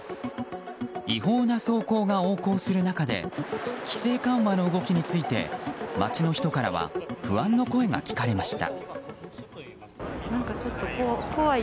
違法な走行が横行する中で規制緩和の動きについて街の人からは不安の声が聞かれました。